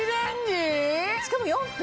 しかも４分！